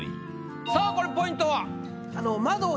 さあこれポイントは？